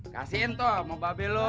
kasiin tuh mau babi lu